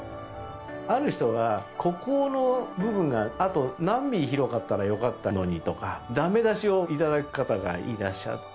ある人がここの部分があと何ミリ広かったらよかったのにとかダメ出しをいただく方がいらっしゃって。